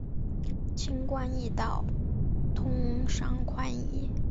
轻关易道，通商宽衣。